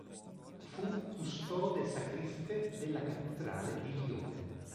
Fu "custode-sacriste" della cattedrale di Lione.